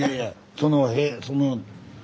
その塀その。